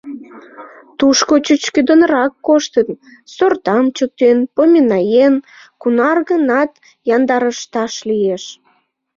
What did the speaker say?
Тушко чӱчкыдынрак коштын, сортам чӱктен, поминаен, кунар-гынат яндарешташ лиеш.